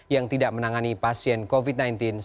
yang tidak menangani pasien covid sembilan belas